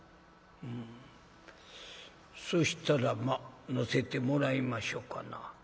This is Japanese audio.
「うんそしたらまあ乗せてもらいましょうかな」。